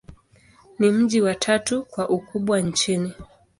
Ni mji wa tatu kwa ukubwa nchini.